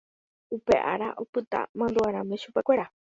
Upe ára opyta mandu'arãme chupekuéra.